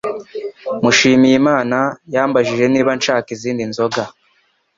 Mushimiyimana yambajije niba nshaka izindi nzoga